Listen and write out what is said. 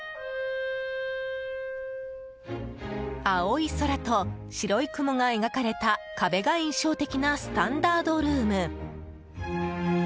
青い空と白い雲が描かれた壁が印象的なスタンダードルーム。